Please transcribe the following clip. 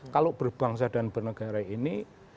kalau berbangsa dan bernegara ini